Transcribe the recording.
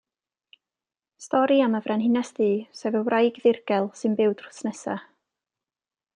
Stori am y Frenhines Ddu, sef y wraig ddirgel sy'n byw drws nesa.